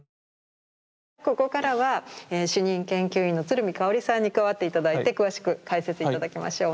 ここからは主任研究員の鶴見香織さんに加わって頂いて詳しく解説頂きましょう。